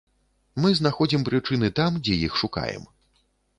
Мы знаходзім прычыны там, дзе іх шукаем.